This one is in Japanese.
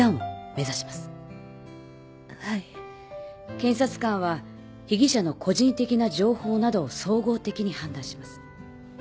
検察官は被疑者の個人的な情報などを総合的に判断します。